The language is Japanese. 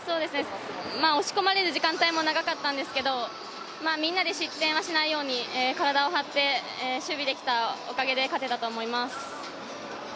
押し込まれる時間帯も長かったんですけど、みんなで失点はしないように体を張って守備できたおかげで勝てたと思います。